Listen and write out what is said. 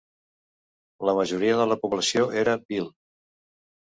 La majoria de la població era bhil.